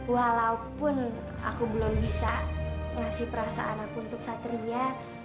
walaupun aku belum bisa ngasih perasaan aku untuk satria